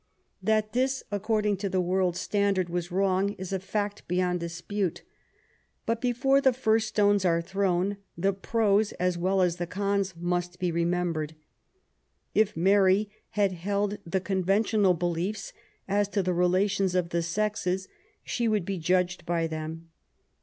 That this^ according to the world's standard^ was wrong, is a fact beyond dispute. But before the first stones are thrown^ the pros as well as the cons must be remembered. If Mary had held the conventional beliefs as to the relations of the sexes^ she would be judged by them.